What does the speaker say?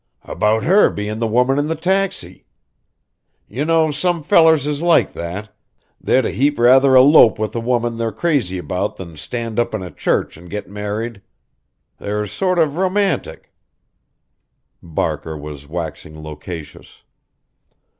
"About her bein' the woman in the taxi. You know some fellers is like that they'd a heap rather elope with a woman they're crazy about than stand up in a church and get married. They're sort of romantic." Barker was waxing loquacious.